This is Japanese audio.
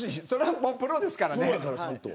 それは、プロですからね。